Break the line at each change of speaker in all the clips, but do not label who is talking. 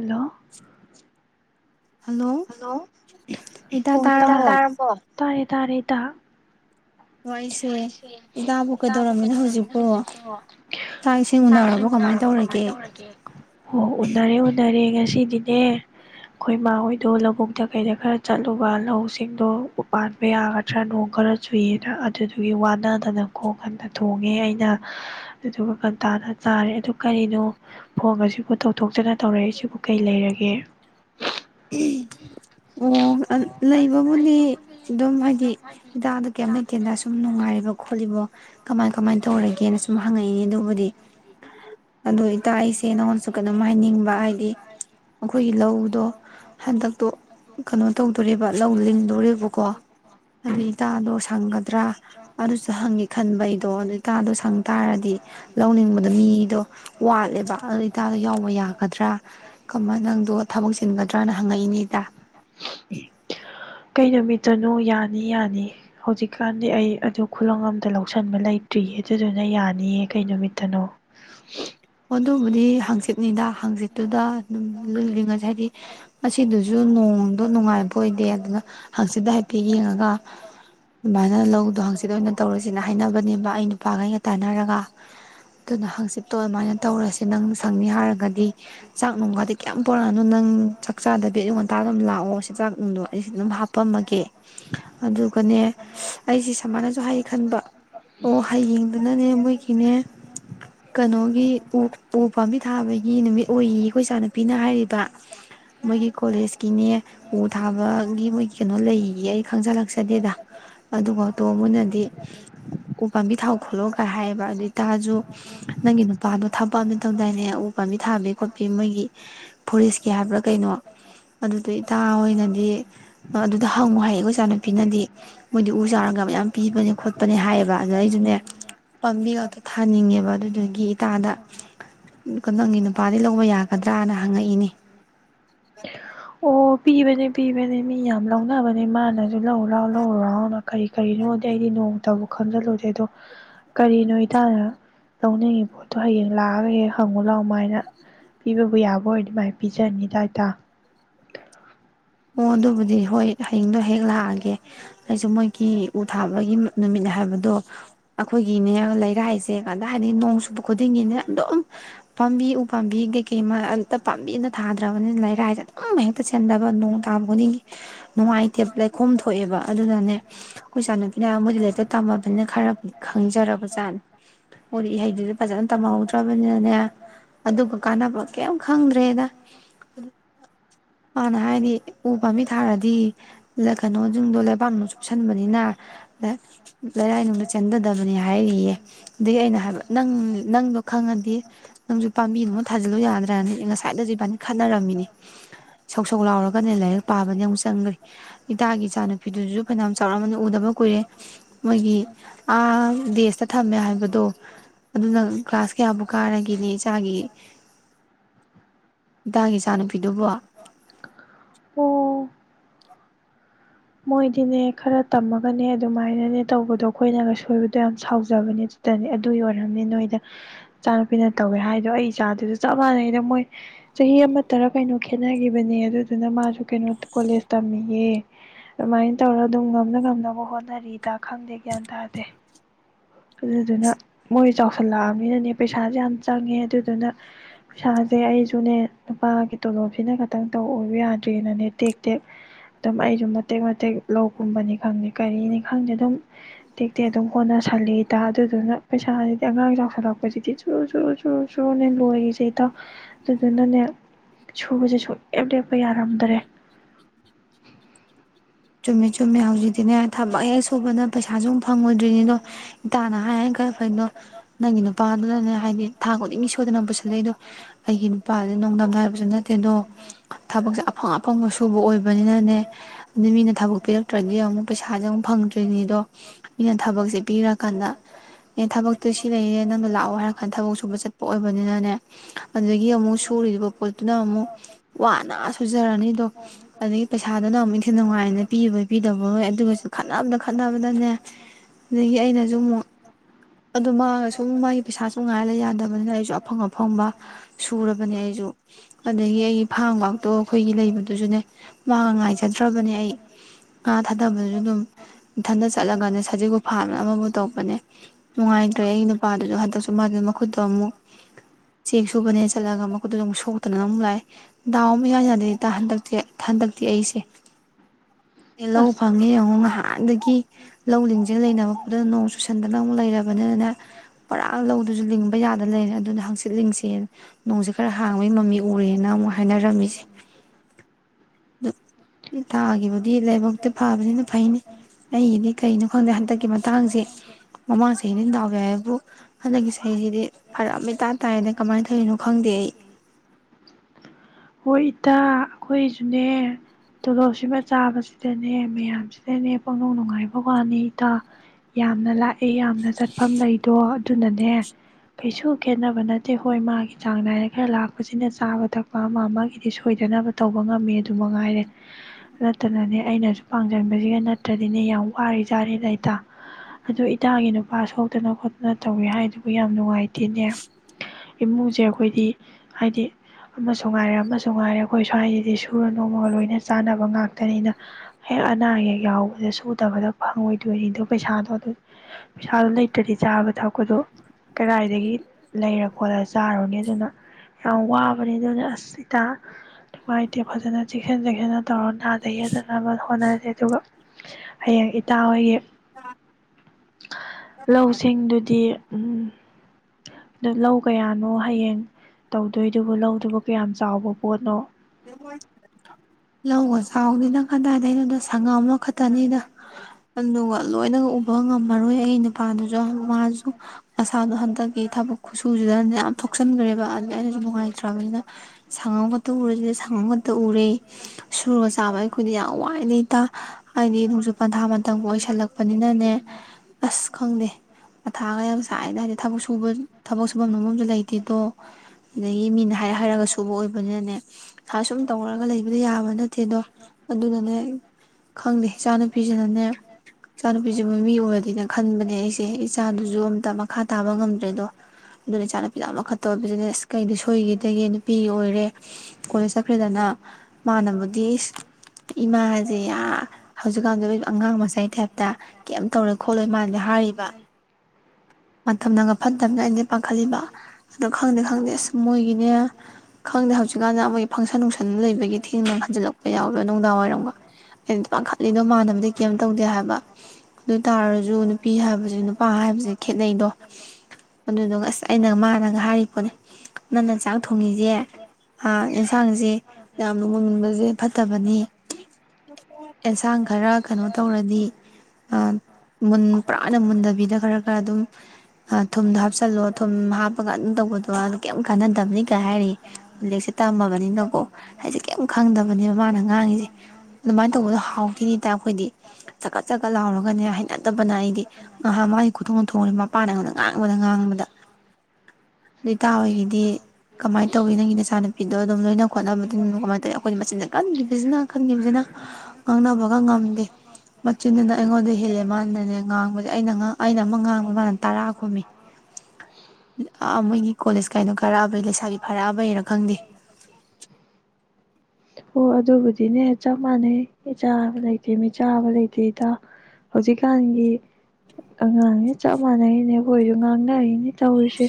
Hello
hello
hello
ꯏꯇꯥ ꯇꯥꯔꯕꯣ
ꯇꯔꯦꯗ ꯑꯩꯁꯦ
ꯏꯇꯥꯕꯨ
ꯇꯥꯕꯨꯨꯛ
ꯀꯩꯗꯧꯔꯝꯃꯤꯅꯣ
ꯀꯩꯗꯧꯔꯕꯝꯅꯤꯅ
ꯍꯧꯖꯤꯛꯄꯣ
ꯍꯧꯖꯤꯛ ꯐꯣ
ꯆꯥꯛ ꯏꯁꯤꯡ
ꯇꯁꯦꯡ
ꯎꯅꯔꯕꯣ
ꯃꯅꯥꯔꯕꯣ ꯀꯃꯥꯏꯅ ꯇꯧꯔꯒꯦ ꯑꯣ ꯎꯅꯔꯦ ꯎꯅꯔꯦ ꯉ ꯁꯤꯗꯤꯅꯦ ꯑꯩꯈꯣꯏ ꯏꯃꯥ ꯍꯣꯏꯗꯣ ꯂꯧꯕꯨꯛꯇ ꯀꯩꯗ ꯈꯔ ꯆꯠꯂꯨꯕ ꯂꯧꯁꯤꯡꯗꯣ ꯎ ꯄꯥꯟꯕ ꯌꯥꯒꯗ꯭ꯔꯥ ꯅꯣꯡ ꯈꯔ ꯆꯨꯏꯌꯦꯅ ꯑꯗꯨꯗꯨꯒꯤ ꯋꯥꯅꯗꯅ ꯈꯣꯡ ꯍꯟꯅ ꯊꯣꯡꯉꯦ ꯑꯩꯅ ꯑꯗꯨꯗꯨꯒ ꯟꯇꯥꯥꯅ ꯇꯥꯔꯦ ꯑꯗꯨ ꯀꯔꯤꯅꯣ ꯐꯣꯡ ꯑꯁꯤꯕꯨ ꯇꯧꯊꯣꯛꯇꯅ ꯇꯧꯔꯛꯏꯁꯤꯕꯨ ꯀꯩ ꯂꯩꯔꯒꯦ
ꯎꯝ ꯑꯣ ꯂꯩꯕꯕꯨꯅꯦ ꯑꯗꯨꯝ ꯍꯥꯏꯗꯤ ꯏꯇꯥꯗꯣ ꯀꯩꯝ ꯂꯩꯇꯦꯗ ꯁꯨꯝ ꯅꯨꯡꯉꯥꯏꯔꯤꯕ ꯈꯣꯠꯂꯤꯕꯣ ꯀꯃꯥꯏ ꯀꯃꯥꯏꯅ ꯇꯧꯔꯒꯦꯅ ꯁꯨꯝ ꯍꯪꯉꯛꯏꯅꯦ ꯑꯗꯨꯕꯨꯗꯤ ꯑꯗꯣ ꯏꯇꯥ ꯑꯩꯁꯦ ꯅꯪꯉꯣꯟꯁꯨ ꯀꯩꯅꯣꯝ ꯍꯥꯏꯅꯤꯡꯕ ꯍꯥꯏꯗꯤ ꯑꯩꯈꯣꯏꯒꯤ ꯂꯧꯗꯣ ꯍꯟꯗꯛꯇꯣ ꯀꯩꯅꯣ ꯇꯧꯗꯣꯔꯤꯕ ꯂꯧ ꯂꯤꯡꯗꯣꯔꯤꯕꯀꯣ ꯑꯗꯨ ꯏꯇꯥꯗꯣ ꯁꯪꯒꯗ꯭ꯔꯥ ꯑꯗꯨꯁꯨ ꯍꯪꯉꯦ ꯈꯟꯕꯩꯗꯣ ꯑꯗꯨ ꯏꯇꯥꯗꯣ ꯁꯪ ꯇꯥꯔꯗꯤ ꯂꯧꯅꯤꯡꯕꯗꯣ ꯃꯤꯗꯣ ꯋꯥꯠꯂꯦꯕ ꯑꯗꯨꯣ ꯏꯇꯥꯗꯣ ꯌꯥꯎꯕ ꯌꯥꯒꯗ꯭ꯔꯥ ꯀꯃꯥꯏꯅ ꯅꯪꯗꯣ ꯊꯕꯛ ꯆ ꯍꯪꯒꯗ꯭ꯔꯅ ꯍꯪꯉꯛꯏꯅꯦꯗ ꯎꯝ
ꯀꯩ ꯅꯨꯃꯤꯠꯇꯅꯣ ꯌꯥꯅꯤ ꯌꯥꯅꯤ ꯍꯧꯖꯤꯛꯀꯥꯟꯗꯤ ꯑꯩ ꯑꯗꯨ ꯈꯨꯂꯪ ꯑꯝꯗ ꯂꯧꯁꯟꯕ ꯂꯩꯇ꯭ꯔꯤꯌꯦ ꯑꯗꯨꯗꯨꯅ ꯌꯥꯅꯤꯌꯦ ꯀꯩ ꯅꯨꯃꯤꯠꯇꯅꯣ
ꯑꯗꯨꯕꯨꯗꯤ ꯍꯥꯡꯆꯤꯠꯅꯤꯗ ꯍꯥꯡꯆꯤꯠꯇꯨꯗ ꯑꯗꯨꯝ ꯂꯨꯜꯂꯤꯉꯩꯁ ꯍꯥꯏꯗꯤ ꯃꯁꯤꯗꯨꯁꯨ ꯅꯣꯡꯗꯣ ꯅꯨꯡꯉꯥꯏꯕ ꯑꯣꯏꯗꯦ ꯑꯗꯨꯅ ꯍꯥꯡꯆꯤꯠꯇ ꯍꯥꯏꯐꯦꯠ ꯌꯦꯡꯉꯒ ꯑꯗꯨꯃꯥꯏ ꯑꯗꯨꯅ ꯂꯧꯗꯣ ꯍꯪꯆꯤꯠ ꯑꯣꯏꯅ ꯇꯧꯔꯁꯤꯅ ꯍꯥꯏꯅꯕꯅꯦꯕ ꯑꯩ ꯅꯨꯄꯥꯈꯩꯒ ꯇꯥꯟꯅꯔꯒ ꯑꯗꯨꯅ ꯍꯪꯆꯤꯠ ꯇꯧꯃꯥ ꯇꯧꯔꯁꯦ ꯅꯪꯅ ꯁꯪꯅꯤ ꯍꯥꯏꯔꯒꯗꯤ ꯍꯥꯏꯗꯤ ꯆꯥꯛ ꯅꯨꯡꯒꯗꯤ ꯀꯌꯥꯝ ꯄꯣꯔꯛꯑꯅꯣ ꯅꯪ ꯆꯥꯛ ꯆꯥꯗꯕꯤ ꯑꯌꯨ ꯉꯟꯇꯥ ꯑꯗꯨꯝ ꯂꯥꯛꯑꯣ ꯁꯤ ꯆꯥꯛ ꯅꯨꯡꯗꯣ ꯑꯩꯁ ꯑꯗꯨꯝ ꯍꯥꯞꯄꯝꯃꯒꯦ ꯑꯗꯨꯒꯅꯦ ꯑꯩꯁꯦ ꯁꯃꯥꯅꯁꯨ ꯍꯥꯏ ꯈꯟꯕ ꯑꯣ ꯍꯌꯦꯡꯗꯨꯅꯅꯦ ꯃꯣꯏꯒꯤꯅꯦ ꯀꯩꯅꯣꯒꯤ ꯎ ꯎ ꯄꯥꯝꯕꯤ ꯊꯥꯕꯒꯤ ꯅꯨꯃꯤꯠ ꯑꯣꯏ ꯑꯩꯈꯣꯏ ꯏꯆꯥ ꯅꯨꯨꯄꯤꯅ ꯍꯥꯏꯔꯤꯕ ꯃꯣꯏꯒꯤ ꯀꯣꯂꯦꯖꯀꯤꯅꯦ ꯎ ꯊꯥꯕꯒꯤ ꯃꯣꯏꯒꯤ ꯀꯩꯅꯣ ꯂꯩꯌꯦ ꯑꯩ ꯈꯪꯖꯜꯂꯛꯁ ꯆꯗꯦꯗ ꯑꯗꯨꯒ ꯇꯣꯕꯅꯗꯤ ꯎ ꯄꯥꯝꯕꯤ ꯊꯥꯎ ꯈꯣꯠꯂꯛꯒ ꯍꯥꯏꯌꯦꯕ ꯑꯗꯨꯇꯥꯁꯨ ꯅꯪꯅ ꯄ ꯑ ꯑꯗꯨ ꯄꯝ ꯇꯧꯗꯅꯦ ꯄꯥꯝꯕꯤ ꯊꯥꯕꯤ ꯈꯣꯠꯄꯤ ꯃꯣꯏꯒꯤ ꯐꯣꯔꯦꯁꯀꯤ ꯍꯥꯏꯕ꯭ꯔꯥ ꯀꯩꯅꯣ ꯑꯗꯨꯗ ꯏꯇꯥ ꯍꯣꯏꯅꯗꯤ ꯑꯗꯨꯗ ꯍꯪꯉꯨ ꯍꯥꯏꯌꯦ ꯑꯩꯣꯏ ꯏꯆꯥꯅꯨꯄꯤꯅꯗꯤ ꯃꯣꯏꯗꯤ ꯎ ꯆꯥꯔꯒ ꯃꯌꯥꯝ ꯄꯤꯕꯅꯦ ꯈꯣꯠꯄꯅꯦ ꯍꯥꯏꯌꯦꯕ ꯑꯗꯨꯅ ꯑꯩꯁꯨꯅꯦ ꯄꯥꯝꯕꯤꯒꯥꯛꯇ ꯊꯥꯅꯤꯡꯉꯦꯕ ꯑꯗꯨꯗꯒꯤ ꯏꯇꯥꯗ ꯅꯪꯒꯤ ꯅꯨꯄꯥꯗꯤ ꯂꯧꯕ ꯌꯥꯒꯗ꯭ꯔꯥꯅ ꯍꯪꯉꯛꯏꯅꯦ
ꯑꯣ ꯄꯤꯕꯅꯦ ꯄꯤꯕꯅꯦ ꯃꯤ ꯌꯥꯝ ꯂꯧꯅꯕꯅꯦ ꯃꯥꯅꯁꯦ ꯑꯗꯨ ꯂꯥꯛ ꯂꯥꯛꯥꯎ ꯂꯥꯛꯎ ꯂꯥꯎꯅ ꯀꯔꯤ ꯀꯔꯤꯅꯣꯗꯤ ꯑꯩꯗꯤ ꯅꯣꯡꯃꯇꯕ ꯈꯟꯖꯤꯜꯂꯨꯗꯦ ꯑꯗꯣ ꯀꯔꯤꯅꯣ ꯏꯇꯥꯅ ꯂꯧꯅꯤꯡꯉꯤ ꯄꯣꯠꯇꯣ ꯍꯌꯦꯡ ꯂꯥꯛꯑꯒ ꯍꯦꯛ ꯍꯪꯉꯨ ꯂꯥꯛꯑꯣ ꯃꯥꯏꯅ ꯄꯤꯕꯕꯨ ꯌꯥꯕ ꯑꯣꯏꯔꯗꯤ ꯃꯥꯏ ꯄꯤꯖꯅꯤꯗ ꯏꯇꯥ
ꯑꯣ ꯑꯗꯨꯕꯨꯗꯤ ꯍꯣꯏ ꯍꯌꯦꯡꯗꯣ ꯍꯦꯛ ꯂꯥꯛꯑꯒꯦ ꯑꯩꯁꯨ ꯃꯣꯏꯒꯤ ꯎ ꯊꯥꯕꯒꯤ ꯅꯨꯃꯤꯠ ꯍꯥꯏꯕꯗꯣ ꯑꯩꯈꯣꯏꯒꯤꯅꯦ ꯂꯩꯔꯥꯏꯁꯦ ꯀꯗꯥꯏ ꯍꯥꯏꯗꯤ ꯅꯣꯡ ꯆꯨꯕ ꯈꯨꯗꯤꯡꯒꯤꯅꯦ ꯑꯗꯨꯝ ꯄꯥꯝꯕꯤ ꯎ ꯄꯥꯝꯕꯤ ꯀꯩꯀꯩ ꯑꯇ ꯄꯥꯝꯕꯤꯅ ꯊꯥꯗ꯭ꯔꯕꯅꯤꯅ ꯂꯩꯔꯥꯏꯁꯦ ꯑꯗꯨꯝ ꯍꯦꯛꯇ ꯆꯦꯟꯗꯕ ꯇꯥꯕꯨꯅꯤ ꯅꯨꯡꯉꯥꯏꯇꯦꯕ ꯂꯩꯈꯣꯝ ꯊꯣꯛꯑꯦꯕ ꯑꯗꯨꯅꯅꯦ ꯑꯩꯈꯣꯏ ꯏꯆꯥꯅꯨꯄꯤꯅꯕꯨꯣꯏꯗꯤ ꯂꯥꯏꯔꯤꯛꯇ ꯇꯝꯃꯕꯅꯤꯅ ꯈꯔ ꯈꯪꯖꯔꯕꯖꯥꯠꯅꯦ ꯍꯗꯤ ꯏꯍꯩꯗꯨꯗꯤ ꯐꯖꯅ ꯇꯝꯍꯧꯗ꯭ꯔꯕꯅꯤꯅꯅꯦ ꯑꯗꯨꯒ ꯀꯥꯟꯅꯕ ꯀꯩ ꯈꯪꯗ꯭ꯔꯦꯗ ꯑꯅ ꯍꯥꯏꯥꯟꯅꯤ ꯎ ꯄꯥꯝꯕꯤ ꯊꯥꯔꯗꯤ ꯀꯩꯅꯣꯁꯤꯡꯗꯣ ꯂꯩꯕꯥꯛꯅꯨꯡ ꯆꯨꯞꯁꯟꯕꯅꯤꯅ ꯂꯩꯔꯥꯏꯅꯨꯡꯗꯣ ꯆꯦꯟꯊꯗꯕꯅꯤ ꯍꯥꯏꯔꯤꯌꯦ ꯑꯗꯒꯤ ꯑꯩꯅ ꯍꯥꯏꯕ ꯅꯪ ꯅꯪꯗꯣ ꯈꯪꯉꯗꯤ ꯅꯪꯁꯨ ꯄꯥꯝꯕꯤ ꯅꯨꯡ ꯊꯥꯖꯤꯜꯂꯨ ꯌꯥꯗ꯭ꯔꯅꯤ ꯉꯁꯥꯏꯗꯁꯨꯥꯝ ꯈꯅꯔꯝꯃꯤꯅꯤ ꯁꯧ ꯁꯧ ꯂꯥꯎꯔꯒ ꯂꯥꯏꯔꯤꯛ ꯄꯥꯕꯅꯦ ꯑꯃꯨꯛ ꯆꯪꯈ꯭ꯔꯦ ꯏꯇꯥꯆꯥꯒꯤ ꯏꯆꯥꯅꯨꯄꯤꯗꯨꯁꯨ ꯐꯅꯌꯥꯝ ꯆꯥꯎꯔꯛꯃꯅꯤ ꯎꯗꯕ ꯀꯨꯏꯔꯦ ꯃꯣꯏꯒꯤ ꯑꯥ ꯗꯦꯖꯇ ꯊꯝꯃꯦ ꯍꯥꯏꯕꯗꯣ ꯑꯗꯨꯅ ꯀ꯭ꯂꯥꯁ ꯀꯌꯥꯕꯨ ꯀꯥꯔꯒꯅꯦ ꯏꯆꯥꯒꯤ ꯏꯒꯤ ꯏꯆꯥ ꯅꯨꯨꯄꯤꯗꯨꯕꯨ
ꯑꯣ ꯃꯣꯏꯗꯤꯅꯦ ꯈꯔ ꯇꯝꯃꯒꯅꯦ ꯑꯗꯨꯃꯥꯏꯅꯅꯦ ꯇꯧꯕꯗꯣ ꯑꯩꯈꯣꯏꯅꯒ ꯁꯣꯏꯕꯗꯣ ꯌꯥꯝ ꯁꯥꯎꯖꯕꯅꯦ ꯑꯗꯨꯗꯅꯦ ꯑꯗꯨꯒꯤ ꯑꯣꯏꯔꯝꯅꯤ ꯅꯣꯏꯗ ꯏꯆꯥꯅꯨꯄꯤꯅ ꯇꯧꯋꯦ ꯍꯥꯏꯗꯣ ꯑꯩ ꯏꯆꯥꯗꯨꯁꯨ ꯆꯞ ꯃꯥꯟꯅꯩꯗ ꯃꯣꯏ ꯆꯍꯤ ꯑꯃ ꯇꯔ ꯀꯩꯅꯣ ꯈꯦꯠꯅꯈꯤꯕꯅꯦ ꯑꯗꯨꯗꯨꯅ ꯃꯥꯁꯨ ꯀꯩꯅꯣ ꯀꯣꯂꯦꯖ ꯇꯝꯃꯤꯌꯦꯦ ꯑꯗꯨꯃꯥꯏꯅ ꯇꯧꯔ ꯑꯗꯨꯝ ꯉꯝꯅ ꯉꯝꯅꯕ ꯍꯣꯠꯅꯔꯤꯗ ꯈꯪꯗꯦ ꯒ꯭ꯌꯥꯟ ꯇꯥꯗꯦ ꯑꯗꯨꯗꯨꯅ ꯃꯣꯏ ꯆꯥꯎꯁꯜꯂꯛꯑꯕꯅꯤꯅꯅꯦ ꯄꯩꯁꯥꯁꯦ ꯌꯥꯝ ꯆꯪꯉꯦ ꯑꯗꯨꯗꯨꯅ ꯄꯩꯁꯥꯁꯦ ꯑꯩꯁꯨꯅꯦ ꯅꯨꯄꯥꯒꯤ ꯇꯣꯂꯣꯞꯁꯤꯅ ꯈꯇꯪ ꯇꯧ ꯑꯣꯏꯕ ꯌꯥꯗ꯭ꯔꯦꯅꯅꯦ ꯇꯦ ꯇꯦꯛ ꯑꯗꯨꯝ ꯑꯩꯁꯨ ꯃꯇꯦꯛ ꯃꯇꯦꯛ ꯂꯧꯒꯨꯝꯕꯅꯤ ꯈꯪꯗꯦ ꯀꯔꯤꯅꯤ ꯈꯪꯗꯦ ꯑꯗꯨꯝ ꯇꯦꯛꯇꯦꯛ ꯑꯗꯨꯝ ꯍꯣꯠꯅꯁꯜꯂꯤ ꯏ ꯑꯗꯨꯗꯨꯅ ꯄꯩꯁꯥꯁꯤꯗꯤ ꯑꯉꯥꯡ ꯆꯥꯎꯁꯜꯂꯛꯄꯁꯤꯗꯤ ꯆꯨ ꯆꯨ ꯆꯨ ꯆꯨꯅꯦ ꯂꯣꯏꯔꯤꯁꯦ ꯏꯇꯥꯎ ꯑꯗꯨꯗꯨꯅꯅꯦ ꯁꯨꯕꯁꯦ ꯁꯨꯡꯂꯦꯞ ꯂꯦꯞꯄ ꯌꯥꯔꯝꯗ꯭ꯔꯦ
ꯆꯨꯝꯃꯦ ꯆꯨꯝꯃꯦ ꯍꯧꯖꯤꯛꯇꯤꯅꯦ ꯊꯕꯛ ꯍꯦꯛ ꯁꯨꯕꯅ ꯄꯩꯁꯥꯁꯨ ꯐꯪꯉꯨꯗ꯭ꯔꯤꯅꯤꯗꯣ ꯏ ꯇꯇꯥꯅ ꯍꯥꯏꯔ ꯀꯣꯏꯩꯅꯣ ꯅꯪꯒꯤ ꯅꯨꯄꯥꯗꯨꯅꯅꯦ ꯍꯥꯏꯗꯤ ꯊꯥ ꯈꯨꯗꯤꯡꯒꯤ ꯐꯗꯅ ꯄꯨꯁꯤꯜꯂꯛꯏꯗꯣ ꯑꯩꯒꯤ ꯄꯥꯗꯤ ꯅꯣꯡꯗꯝꯝ ꯍꯥꯏꯏꯕꯁꯨ ꯅꯠꯇꯦ ꯑꯗꯣ ꯊꯕꯛꯁꯦ ꯑꯐꯪ ꯑꯐꯪꯕ ꯁꯨꯕ ꯑꯣꯏꯕꯅꯤꯅꯅꯦ ꯑꯗꯨ ꯃꯤꯅ ꯊꯕꯛ ꯄꯤꯔꯛꯇ꯭ꯔꯗꯤ ꯑꯃꯨꯛ ꯄꯩꯁꯥꯁꯦ ꯑꯃꯨꯛ ꯐꯪꯗ꯭ꯔꯤꯅꯤꯗꯣ ꯑꯩꯅ ꯊꯕꯛꯁꯦ ꯄꯤꯔꯀꯥꯟꯗ ꯑꯦ ꯊꯕꯛꯇꯨ ꯁꯤ ꯂꯩꯅꯦ ꯅꯪꯅ ꯂꯥꯛꯑꯣ ꯍꯥꯏꯔꯀꯥꯟꯗ ꯊꯕꯛ ꯁꯨꯕ ꯆꯠꯄ ꯑꯣꯏꯕꯅꯤꯅꯅꯦ ꯑꯗꯨꯗꯒꯤ ꯑꯃꯨꯛ ꯁꯨꯔꯤꯕ ꯄꯣꯠꯇꯨꯅ ꯑꯃꯨꯛ ꯋꯥꯅ ꯁꯨꯖꯔꯛꯅꯤꯗꯣ ꯑꯗꯨꯗꯒꯤ ꯄꯩꯁꯥꯗꯨꯅ ꯑꯃꯨꯛ ꯅꯨꯡꯉꯥꯏꯅ ꯄꯤꯕꯣꯏ ꯄꯤꯗꯕꯣꯏ ꯑꯗꯨꯒꯁꯨ ꯈꯠꯅꯕꯗ ꯈꯠꯅꯕꯗꯅꯦ ꯑꯗꯒꯤ ꯑꯩꯅꯁꯨ ꯑꯃꯨꯛ ꯑꯗꯨ ꯃꯥꯒ ꯁꯨꯝ ꯃꯥꯒꯤ ꯄꯩꯁꯥꯁꯨ ꯉꯥꯏꯔ ꯂꯩ ꯌꯥꯗꯕꯅꯤꯅ ꯑꯩꯁꯨ ꯑꯐꯪ ꯑꯐꯪꯕ ꯁꯨꯔꯕꯅꯦ ꯑꯩꯁꯨ ꯑꯗꯒꯤ ꯑꯩꯒꯤ ꯐꯥꯡꯕꯥꯛꯇꯣ ꯑꯩꯈꯣꯏꯒꯤ ꯂꯩꯕꯗꯨꯁꯨꯅꯦ ꯃꯥꯡ ꯉꯥꯏꯖꯩ ꯆꯗ꯭ꯔꯕꯅꯦ ꯑꯩ ꯉꯥ ꯊꯥꯗꯕꯗꯨꯁꯨ ꯑꯗꯨꯝ ꯏꯊꯟꯗ ꯆꯠꯂꯒꯅꯦ ꯁꯖꯤꯛꯕꯨ ꯐꯥꯕꯅ ꯑꯃꯕꯨꯥꯎ ꯇꯧꯄꯅꯦ ꯅꯨꯡꯉꯥꯏꯇ꯭ꯔꯦ ꯑꯩꯒꯤ ꯅꯨꯄꯥꯗꯨꯁꯨ ꯍꯟꯗꯛꯁꯨ ꯃꯥꯗꯨ ꯃꯈꯨꯠꯇꯣ ꯑꯃꯨꯛ ꯆꯦꯛ ꯇꯨꯕꯅꯦꯅ ꯆꯠꯂꯒ ꯃꯈꯨꯠꯇꯣ ꯑꯗꯨꯨꯛ ꯁꯣꯛꯇꯅ ꯑꯃꯨꯛ ꯂꯥꯛꯦ ꯗꯥꯎ ꯑꯃꯨꯛ ꯌꯥ ꯌꯥꯗꯦ ꯍꯟꯗꯛꯇꯤ ꯍꯟꯗꯛꯇꯤ ꯑꯩꯁꯦ ꯂꯧ
ꯑꯁ
ꯐꯪꯉꯦ ꯌꯦꯡꯉꯣ ꯅꯍꯥꯟꯗꯒꯤ ꯂꯧ ꯂꯤꯡꯁꯦ ꯂꯩꯅꯕꯣꯠꯇ ꯅꯣꯡ ꯆꯨꯁꯟꯗꯅ ꯂꯩꯔꯕꯅꯤꯅꯅ ꯄꯨꯔꯥ ꯂꯧꯗꯨꯁꯨ ꯂꯤꯡꯕ ꯌꯥꯗꯅ ꯂꯩꯔꯦ ꯑꯗꯨꯅ ꯍꯪꯆꯤꯠ ꯆꯦ ꯅꯣꯡꯁꯦ ꯈꯔ ꯊꯥꯡꯕꯒꯤ ꯃꯃꯤ ꯎꯔꯦꯅ ꯑꯃꯨꯛ ꯍꯥꯏꯅꯔꯝꯃꯤꯁꯦ ꯎꯝ ꯊꯥꯒꯤꯕꯨꯗꯤ ꯂꯥꯏꯕꯛꯇꯤ ꯐꯕꯅꯤꯅ ꯐꯩꯅꯤ ꯑꯩꯒꯤꯗꯤ ꯀꯩꯅꯣ ꯈꯪꯗꯦ ꯍꯟꯗꯛꯀꯤ ꯃꯇꯥꯡꯁꯦ ꯃꯃꯥꯡ ꯆꯍꯤꯗ ꯂꯥꯎꯒꯦ ꯍꯥꯏꯕꯨ ꯍꯟꯗꯛꯀꯤ ꯆꯍꯤꯁꯤꯗꯤ ꯐꯔꯛꯑ ꯂꯩꯇꯥ ꯇꯥꯏꯔꯗ ꯀꯃꯥꯏꯅ ꯇꯧꯔꯤꯅꯣ ꯈꯪꯗꯦ ꯑꯩ
ꯍꯣꯏ ꯑꯩꯈꯣꯏꯁꯨꯅꯦ ꯇꯣꯂꯣꯞꯁꯤꯃ ꯆꯥꯕꯁꯤꯗꯅꯦ ꯃꯌꯥꯝꯁꯤꯗꯅꯦ ꯄꯣꯛꯅꯨꯡ ꯅꯨꯡꯉꯥꯏꯕ ꯋꯥꯅꯤ ꯏꯇ ꯌꯥꯝꯅ ꯂꯥꯛꯑꯦ ꯌꯥꯝꯅ ꯆꯠꯐꯝ ꯂꯩꯗꯣ ꯑꯗꯨꯅꯅꯦ ꯀꯩꯁꯨ ꯈꯦꯠꯅꯕ ꯅꯠꯇꯦ ꯍꯣꯏ ꯃꯥꯒꯤ ꯆꯥꯡ ꯅꯥꯏꯔ ꯈꯔ ꯂꯥꯛꯄꯁꯤꯅ ꯆꯥꯕ ꯊꯛꯄ ꯑꯃ ꯑꯃꯒꯤꯗꯤ ꯁꯣꯏꯗꯅꯕ ꯇꯧꯕ ꯉꯝꯃꯦ ꯑꯗꯨ ꯃꯉꯥꯏꯔꯦ ꯅꯠꯇꯅꯅꯦ ꯑꯩꯅꯁꯨ ꯄꯥꯡꯁꯤꯟꯕꯁꯤꯒ ꯅꯠꯇ꯭ꯔꯗꯤꯅꯦ ꯌꯥꯝ ꯋꯥꯖꯥꯔꯤꯗꯇꯥ ꯑꯗꯨ ꯏꯇꯥꯒꯤ ꯅꯨꯄꯥ ꯁꯣꯛꯇꯅ ꯈꯣꯠꯇꯅ ꯇꯧꯋꯤ ꯍꯥꯏꯗꯨꯕꯨ ꯌꯥꯝ ꯅꯨꯡꯉꯥꯏꯇꯦ ꯏꯅꯦ ꯏꯃꯨꯡꯁꯦ ꯑꯩꯈꯣꯏꯗꯤ ꯍꯥꯏꯗꯤ ꯑꯃꯁꯨ ꯉꯥꯏꯔꯦ ꯑꯃꯁꯨ ꯉꯥꯏꯔꯦ ꯑꯩꯈꯣꯏ ꯁ꯭ꯋꯥꯏꯁꯤꯗꯤ ꯁꯨꯔ ꯅꯣꯝꯃꯒ ꯂꯣꯏꯅ ꯆꯥꯟꯅꯕ ꯉꯥꯛꯇ ꯈꯇꯅꯤꯅ ꯍꯦꯛ ꯑꯅꯥ ꯑꯌꯦꯛ ꯌꯥꯎꯕꯗ ꯁꯨꯗꯕꯗ ꯐꯪꯉꯣꯏꯗꯣꯏꯅꯤꯗꯣ ꯄꯩꯁꯥꯗꯣ ꯑꯗꯨ ꯄꯩꯁꯥꯗꯣ ꯂꯩꯇ꯭ꯔꯗꯤ ꯆꯥꯕ ꯊꯛꯄꯗꯣ ꯀꯗꯥꯏꯗꯒꯤ ꯂꯩꯔ ꯈꯣꯠꯂ ꯆꯥꯔꯨꯅꯤ ꯑꯗꯨꯅ ꯌꯥꯝ ꯋꯥꯕꯅꯤ ꯑꯗꯨꯅ ꯑꯁ ꯏꯇꯥ ꯅꯨꯡꯉꯥꯏꯇꯦ ꯐꯖꯅ ꯆꯦꯛꯁꯤꯟ ꯆꯦꯛꯁꯤꯟꯅ ꯇꯧꯔ ꯂꯩꯗꯅꯕ ꯍꯣꯠꯅꯔꯤ ꯑꯗ ꯑꯗꯨꯒ ꯍꯌꯦꯡ ꯏꯇꯥ ꯍꯣꯏꯒꯤ ꯂꯧꯁꯤꯡꯗꯨꯗꯤ ꯎꯝ ꯑꯗꯨ ꯂꯧ ꯀꯌꯥꯅꯣ ꯍꯌꯦꯡ ꯇꯧꯗꯣꯏꯗꯨꯕꯨ ꯂꯧꯗꯨꯕꯨ ꯀꯌꯥꯝ ꯆꯥꯎꯕ ꯄꯣꯠꯅꯣ
ꯂꯧꯒ ꯆꯥꯎꯗꯤꯅꯪ ꯀꯟꯗꯥꯏꯗꯗꯤ ꯑꯩꯅꯣꯟꯗ ꯁꯪꯉꯝ ꯑꯃ ꯈꯛꯇꯅꯤꯅ ꯑꯗꯨꯒ ꯂꯣꯏꯅ ꯎꯕ ꯉꯝꯃꯔꯣꯏ ꯑꯩ ꯅꯨꯄꯥꯗꯨꯁꯨ ꯃꯥꯁꯨ ꯃꯁꯥꯗꯣ ꯍꯟꯗꯛꯀꯤ ꯊꯕꯛ ꯈꯨꯠꯁꯨꯁꯤꯗ ꯌꯥꯝ ꯊꯣꯛꯆꯟꯈ꯭ꯔꯦꯕ ꯑꯗꯨꯗ ꯑꯩꯅꯁꯨ ꯅꯨꯡꯉꯥꯏꯇ꯭ꯔꯕꯅꯤꯅ ꯁꯪꯉꯝꯒ ꯇ ꯎꯁꯤ ꯁꯥꯡ ꯑꯃꯇ ꯎꯔꯦ ꯁꯨꯔꯒ ꯆꯥꯕ ꯑꯩꯈꯣꯏꯗꯤ ꯌꯥꯝ ꯋꯥꯏ ꯂꯩꯩꯇ ꯍꯥꯏꯗꯤ ꯅꯣꯡꯖꯨꯠ ꯄꯟꯊꯥ ꯃꯇꯝꯇꯪꯕꯨ ꯑꯣꯏꯁꯜꯂꯛꯄꯅꯤꯅꯅꯦ ꯑꯁ ꯈꯪꯗꯦ ꯊꯥꯡꯒ ꯌꯥꯝ ꯆꯥꯏꯅ ꯍꯥꯏꯗꯤ ꯊꯕꯛ ꯁꯨꯕ ꯊꯕꯛ ꯁꯨꯐꯝ ꯅꯣꯐꯝꯝꯁꯨ ꯂꯩꯇꯦꯗꯣ ꯑꯗꯨꯗꯒꯤ ꯃꯤꯅ ꯍꯥꯏꯔ ꯍꯥꯏꯔꯒꯁꯨ ꯑꯁꯨꯨꯕ ꯑꯣꯏꯕꯅꯤꯅꯅꯦ ꯁꯨꯥꯏ ꯁꯨꯝ ꯇꯧꯅꯔꯒ ꯂꯩꯕꯗ ꯌꯥꯕ ꯅꯠꯇꯦꯗꯣ ꯑꯗꯨꯅꯅꯦ ꯈꯪꯗꯦ ꯏꯆꯥ ꯅꯨꯨꯄꯤꯁꯤꯅꯅꯦ ꯏꯆꯥ ꯅꯨꯨꯄꯤꯁꯤꯕꯨ ꯃꯤ ꯑꯣꯏꯔꯗꯤꯅ ꯈꯟꯕꯅꯦ ꯑꯩꯁꯦ ꯏꯆꯥꯗꯨꯁꯨ ꯑꯝꯇ ꯃꯈꯥ ꯇꯥꯕ ꯉꯝꯗ꯭ꯔꯦꯗꯣ ꯑꯗꯨꯅ ꯏꯆꯥꯅ ꯄꯄꯤꯖ ꯂꯧꯈꯠꯇꯕ ꯕꯤꯖꯤꯅꯦꯁ ꯀꯩꯗ ꯁꯣꯏꯒꯗꯒꯦ ꯅꯨꯄꯤ ꯑꯣꯏꯔꯦ ꯀꯣꯂꯦꯖ ꯆꯠꯈ꯭ꯔꯦꯗꯅ ꯃꯥꯅꯕꯨꯗꯤ ꯏꯃꯥ ꯍꯥꯏꯁꯦ ꯍꯧꯖꯤꯛꯀꯥꯟꯗ ꯑꯉꯥꯡ ꯃꯆꯥꯩ ꯇꯥꯏꯞꯇ ꯀꯩꯝ ꯇꯧꯔꯣꯏ ꯈꯣꯠꯂꯦ ꯃꯥꯅꯗꯤ ꯍꯥꯏꯔꯤꯕ ꯃꯇꯝꯗ ꯉ ꯐꯠꯇꯝꯅ ꯑꯩꯅꯗꯤ ꯄꯥꯈꯠꯂꯤꯕ ꯑꯗꯣ ꯈꯪꯗꯦ ꯈꯪꯗꯦ ꯑꯁ ꯃꯣꯏ ꯅꯦ ꯈꯪꯗꯦ ꯀꯀꯥꯟꯗ ꯃꯣꯏꯒꯤ ꯐꯪꯁꯟ ꯅꯨꯡꯁꯟ ꯂꯩꯕꯒꯤ ꯊꯦꯡꯅꯕ ꯍꯟꯖꯤꯜꯂꯛꯄ ꯌꯥꯎꯔꯣꯏ ꯅꯨꯡꯗꯥꯡ ꯋꯥꯏꯔꯝꯒ ꯑꯗꯤ ꯅꯨ ꯄꯥꯡꯈꯠꯂꯤꯗꯣ ꯃꯥꯟꯅꯕꯗꯤ ꯀꯩꯝ ꯇꯧꯗꯦ ꯍꯥꯏꯕ ꯑꯗꯨ ꯇꯥꯔꯁꯨ ꯅꯨꯄꯤ ꯍꯥꯏꯕꯁ ꯅꯨꯄꯥ ꯍꯥꯏꯕꯁꯦ ꯈꯦꯠꯅꯩꯗꯣ ꯑꯗꯨꯗꯨꯒ ꯑꯁ ꯑꯩꯅ ꯃꯥꯟꯅꯒ ꯍꯥꯏꯔꯤꯛꯄꯣꯅꯦ ꯅꯟꯅ ꯆꯥꯛ ꯊꯣꯡꯉꯁꯦ ꯍꯥ ꯑꯦꯟꯁꯥꯡꯁꯦ ꯌꯥꯝ ꯃꯨꯟꯕꯁꯦ ꯐꯠꯇꯕꯅꯤ ꯑꯦꯟꯁꯥꯡ ꯈꯔ ꯀꯩꯅꯣ ꯇꯧꯔꯗꯤ ꯃꯨꯟ ꯄꯨꯔꯥꯅ ꯃꯨꯟꯗꯕꯤꯗ ꯈꯔ ꯈꯔ ꯑꯗꯨꯝ ꯊꯨꯝꯗꯣ ꯍꯥꯞꯆꯜꯂꯣ ꯊꯨꯝ ꯍꯥꯞꯄꯒ ꯑꯗꯨꯝ ꯇꯧꯕꯗꯣ ꯀꯩ ꯀꯥꯟꯅꯗꯕꯅꯤ ꯀꯥꯏ ꯍꯥꯏꯔꯤ ꯂꯦꯛꯁꯦ ꯇꯝꯃꯕꯅꯤꯅꯀꯣ ꯍꯥꯏꯁꯦ ꯀꯔꯤꯝ ꯈꯪꯗꯕꯅꯦꯕ ꯃꯥꯅ ꯉꯥꯡꯉꯤꯁꯦ ꯑꯗꯨꯃꯥꯏꯅ ꯇꯧꯕꯗꯣ ꯍꯥꯎꯈꯤꯅꯤꯗ ꯑꯩꯈꯣꯏꯗꯤ ꯆꯀꯠ ꯆꯀꯠ ꯂꯥꯎꯔꯒꯅꯦ ꯍꯥꯏꯩꯅꯗꯕꯅ ꯑꯩꯗꯤ ꯉꯥꯏꯍꯥꯛ ꯃꯥꯒꯤ ꯈꯨꯊꯣꯡ ꯊꯣꯡꯁꯦ ꯃꯄꯥꯟꯅꯉꯣꯟꯗ ꯉꯥꯡꯕꯗ ꯉꯥꯡꯕꯗ ꯑꯗꯨ ꯒꯤꯗꯤ ꯀꯃꯥꯏꯅ ꯇꯧꯋꯤ ꯅꯪꯒꯤꯅ ꯏꯆꯥꯅꯨꯄꯤꯗꯣ ꯑꯗꯨꯝ ꯂꯣꯏꯅ ꯈꯣꯠꯅꯕꯗꯨ ꯀꯃꯥꯏꯅ ꯇꯧꯋꯤ ꯑꯩꯈꯣꯏꯅ ꯃꯆꯤꯟꯗꯦ ꯀꯟꯈꯤꯕꯁꯤꯅ ꯈꯟꯈꯤꯕꯁꯤꯅ ꯉꯥꯡꯅꯕꯒ ꯉꯝꯗꯦ ꯃꯆꯤꯟꯗꯨꯅ ꯑꯩꯉꯣꯟꯗ ꯍꯦꯜꯂꯦ ꯃꯥꯗꯅꯦ ꯉꯥꯡꯕꯁꯦ ꯑꯩꯅ ꯑꯩꯅ ꯑꯃ ꯉꯥꯡꯕ ꯃꯥꯅ ꯇꯔꯥ ꯈꯨꯝꯃꯤ ꯃꯣꯏꯒꯤ ꯀꯣꯂꯦꯖ ꯀꯩꯅꯣ ꯀꯔꯛꯕ ꯂꯩꯁꯥꯒꯤ ꯐꯔꯥꯕ ꯍꯔꯛ [inaudible]
ꯑꯣ ꯑꯗꯨꯕꯨꯗꯤꯅꯦ ꯆꯞ ꯃꯥꯟꯅꯩ ꯏꯆꯥꯕ ꯂꯩꯇꯦ ꯃꯤꯆꯥꯕ ꯂꯩꯇꯦꯗ ꯍꯧꯖꯤꯛꯀꯥꯟꯒꯤ ꯑꯉꯥꯡꯅꯦ ꯆꯞ ꯃꯥꯟꯅꯩꯅꯦ ꯑꯩꯈꯣꯏꯁꯨ ꯉꯥꯡꯅꯔꯤꯅꯤ ꯇꯧꯔꯤꯁꯦ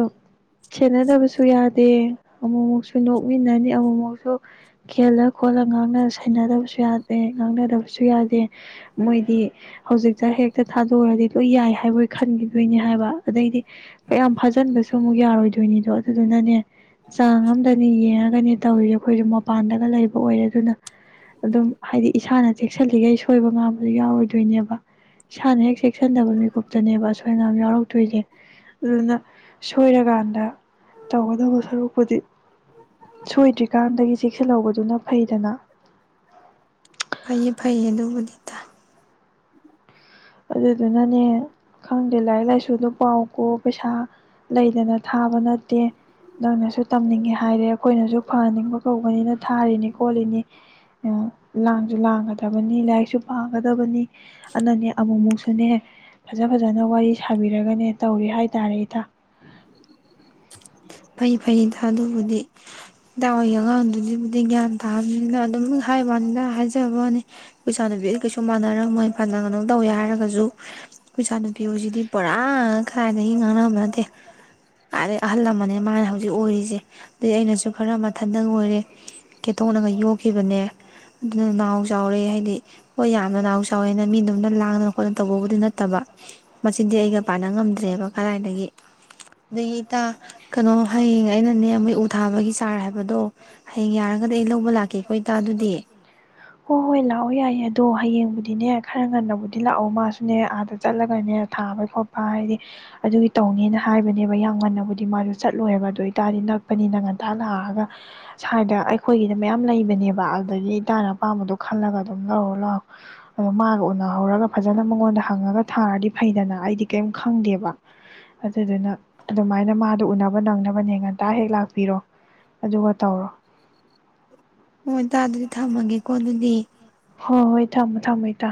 ꯁꯦꯟꯅꯗꯕꯁꯨ ꯌꯥꯗꯦ ꯑꯃꯨꯛꯃꯨꯛꯁꯨ ꯅꯣꯛꯃꯤꯟꯅꯅꯤ ꯑꯃꯨꯛꯃꯨꯛꯁꯨ ꯈꯦꯂ ꯈꯣꯠꯂꯅ ꯁꯦꯟꯅꯗꯕꯁꯨ ꯌꯥꯗꯦ ꯉꯥꯡꯅꯗꯕꯁꯨ ꯌꯥꯗꯦ ꯃꯣꯏꯗꯤ ꯍꯧꯖꯤꯛꯇ ꯍꯦꯛꯇ ꯊꯥꯗꯑꯗꯤ ꯂꯣꯏ ꯌꯥꯏ ꯍꯥꯏꯕꯣꯏ ꯈꯟꯈꯤꯗꯣꯏꯅꯤ ꯍꯥꯏꯕ ꯑꯗꯩꯗꯤ ꯀꯌꯥꯝ ꯐꯖ ꯑꯆꯟꯕꯁꯨ ꯑꯃꯨꯛ ꯌꯥꯔꯣꯏꯗꯣꯏꯅꯤꯗꯣ ꯑꯗꯨꯗꯨꯅꯅꯦ ꯆꯥꯡ ꯑꯃꯝꯗꯅꯦ ꯌꯦꯡꯉꯒꯅꯦ ꯇꯧꯔꯤꯁꯦ ꯑꯩꯈꯣꯏꯁꯨ ꯃꯄꯥꯟꯗꯒ ꯂꯩꯕ ꯑꯣꯏꯔꯦ ꯑꯗꯨꯅ ꯑꯗꯨꯝ ꯍꯥꯏꯗꯤ ꯏꯁꯥꯅ ꯆꯦꯛꯁꯤꯜꯂꯤꯈꯩ ꯁꯣꯏꯕ ꯉꯥꯝꯕꯁꯨ ꯌꯥꯎꯔꯣꯏꯗꯣꯏꯅꯦꯕ ꯏꯁꯥꯅ ꯍꯦꯛ ꯆꯦꯛꯁꯤꯟꯗꯕ ꯃꯤꯀꯨꯞꯇꯅꯦꯕ ꯑꯁꯣꯏꯕ ꯉꯥꯝ ꯌꯥꯎꯔꯛꯇꯣꯏꯁꯦ ꯑꯗꯨꯅ ꯁꯣꯏꯔꯀꯥꯟꯗ ꯇꯧꯒꯗꯕ ꯁꯔꯨꯛꯄꯨꯗꯤ ꯁꯣꯏꯗ꯭ꯔꯤꯀꯥꯟꯗꯒꯤ ꯆꯦꯛꯛꯁꯍꯧꯕꯗꯨꯅ ꯐꯩꯗꯅ
ꯐꯩꯌꯦ ꯐꯩꯌꯦ ꯑꯗꯨꯕꯨꯗꯤꯗ
ꯑꯗꯨꯗꯨꯅꯅꯦ ꯈꯪꯗꯦ ꯂꯥꯏꯔꯤꯛ ꯂꯥꯏꯁꯨꯗꯣ ꯄꯥꯎ ꯀꯣ ꯄꯩꯁꯥ ꯂꯩꯗꯅ ꯊꯥꯕ ꯅꯠꯇꯦ ꯅꯪꯅꯁꯨ ꯇꯝꯅꯤꯡꯉꯦ ꯍꯥꯏꯔꯦ ꯑꯩꯈꯣꯏꯅꯁꯨ ꯐꯍꯟꯅꯤꯡꯕ ꯀꯧꯕꯅꯤꯅ ꯊꯥꯔꯤꯅꯤ ꯈꯣꯠꯂꯤꯅꯤ ꯂꯥꯡꯁꯨ ꯂꯥꯡꯒꯗꯕꯅꯤ ꯂꯥꯏꯔꯤꯛꯁꯨ ꯄꯥꯒꯗꯕꯅꯤ꯫ ꯑꯅꯅꯤ ꯑꯃꯨꯛ ꯃꯨꯛꯁꯨꯅꯦ ꯐꯖ ꯐꯖꯅ ꯋꯥꯔꯤ ꯁꯥꯕꯤꯔꯒꯅꯦ ꯇꯧꯔꯤ ꯍꯥꯏꯇꯥꯔꯦ ꯏꯇꯥ꯫
[inaudible] ꯐꯩ - ꯐꯩ ꯊꯥꯗꯕꯨꯗꯤ ꯏꯗꯥ ꯍꯏꯒꯤ ꯑꯉꯥꯡꯗꯨꯗꯤꯕꯨꯗꯤ ꯒ꯭ꯌꯥꯟ ꯇꯥꯕꯅꯤꯅ ꯑꯗꯨꯝ ꯍꯥꯏꯕꯅꯤꯅ ꯍꯥꯏꯖꯕꯅꯤ [unintelligible] ꯀꯩꯁꯨ ꯃꯥꯟꯅꯔꯝ ꯃꯣꯏ ꯐꯅ ꯀꯩꯅꯣ ꯇꯧꯋꯦ ꯍꯥꯏꯔꯒꯁꯨ ꯈꯣꯏ ꯏꯆꯥꯅꯨꯄꯤ ꯍꯣꯏꯁꯤꯗꯤ ꯄꯨꯔꯥ ꯈꯥꯏꯗꯒꯤ ꯉꯥꯡꯅꯕ ꯅꯠꯇꯦ꯫ ꯀꯩ ꯑꯍꯜ ꯂꯃꯅꯦ ꯃꯥꯅ ꯍꯧꯖꯤꯛ ꯑꯣꯏꯔꯤꯁꯦ ꯑꯗꯨꯗꯩ ꯑꯩꯅꯁꯨ ꯈꯔ ꯃꯊꯟꯗꯪ ꯑꯣꯏꯔꯦ ꯈꯦꯊꯣꯛꯅꯒ ꯌꯣꯛꯈꯤꯕꯅꯦ ꯑꯗꯨꯅ ꯅꯥꯍꯥꯎ ꯆꯥꯎꯔꯦ ꯍꯥꯏꯗꯤ ꯍꯣꯏ ꯌꯥꯝꯅ ꯅꯥꯎ ꯆꯥꯎꯋꯦꯅ ꯃꯤꯗꯧꯅ ꯂꯥꯡꯗꯅ ꯈꯣꯠꯅ ꯇꯧꯕꯕꯨꯗꯤ ꯅꯠꯇꯕ ꯃꯆꯤꯟꯗꯤ ꯑꯩꯒ ꯄꯥꯟꯅ ꯉꯝꯗ꯭ꯔꯦꯕ ꯀꯗꯥꯏꯗꯒꯤ [unintelligible] ꯀꯩꯅꯣ ꯍꯌꯦꯡ ꯑꯩꯅꯅꯦ ꯃꯣꯏ ꯎ ꯊꯥꯕꯒꯤ ꯆꯥꯔ ꯍꯥꯏꯕꯗꯣ ꯍꯌꯦꯡ ꯌꯥꯔꯒꯗꯤ ꯑꯩ ꯂꯧꯕ ꯂꯥꯛꯀꯦꯀꯣ ꯏꯇꯥ ꯑꯗꯨꯗꯤ
[unintelligible] ꯑꯗꯣ ꯍꯌꯦꯡꯕꯨꯗꯤꯅꯦ ꯈꯔ ꯉꯟꯅꯕꯨꯗꯤ ꯂꯥꯛꯑꯣ ꯃꯥꯁꯨꯅꯦ ꯑꯥꯗ ꯆꯠꯂꯒꯅꯦ ꯊꯥꯕ ꯈꯣꯠꯄ ꯍꯥꯏꯗꯤ ꯑꯗꯨꯒꯤ ꯇꯧꯅꯦꯅ ꯍꯥꯏꯕꯅꯦꯕ ꯌꯥꯝ ꯉꯟꯅꯕꯨꯗꯤ ꯃꯥꯁꯨ ꯆꯠꯂꯣꯏꯑꯦꯕ ꯑꯗꯨꯣ ꯏꯇꯥꯗꯤ ꯅꯛꯄꯅꯤꯅ ꯉꯟꯇꯥ ꯂꯥꯛꯑꯒ ꯁ꯭ꯋꯥꯏꯗ ꯑꯩꯈꯣꯏꯒꯤꯗ ꯃꯌꯥꯝ ꯂꯩꯕꯅꯦꯕ ꯑꯗꯨꯗꯒꯤ ꯏꯇꯥꯅ ꯑꯄꯥꯝꯕꯗꯣ ꯈꯜꯂꯒ ꯑꯗꯨꯝ ꯂꯧꯔꯑꯣ ꯂꯥꯛꯑꯣ ꯑ ꯃꯥꯒ ꯎꯅꯍꯧꯔꯒ ꯐꯖꯅ ꯃꯉꯣꯟꯗ ꯍꯪꯉꯒ ꯊꯥꯔꯗꯤ ꯐꯩꯗꯅ ꯑꯩꯗꯤ ꯀꯔꯤꯝ ꯈꯪꯗꯦꯕ ꯑꯗꯨꯗꯨꯅ ꯑꯗꯨꯃꯥꯏꯅ ꯑꯗꯨ ꯎꯅꯕ ꯅꯪꯅꯕꯅꯦ ꯉꯟꯇꯥ ꯍꯦꯛ ꯂꯥꯛꯄꯤꯔꯣ ꯑꯗꯨꯒ ꯇꯧꯔꯣ꯫
ꯍꯣꯏ ꯏꯇ ꯑꯗꯨꯗꯤ ꯊꯝꯃꯒꯦꯀꯣ ꯑꯗꯨꯗꯤ꯫
ꯍꯣꯏ- ꯍꯣꯏ ꯊꯝꯃꯣ - ꯊꯝꯃꯣ ꯏꯇꯥ꯫